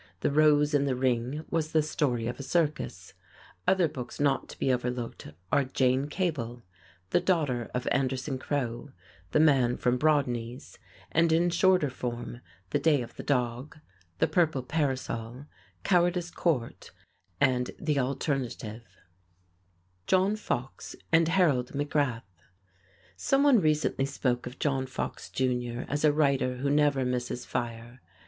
"The Rose in the Ring" was the story of a circus. Other books not to be overlooked are "Jane Cable," "The Daughter of Anderson Crow," "The Man from Brodney's," and in shorter form, "The Day of the Dog," "The Purple Parasol," "Cowardice Court" and "The Alternative." [Illustration: OWEN JOHNSON] John Fox and Harold McGrath Someone recently spoke of John Fox, Jr., as a writer who never misses fire.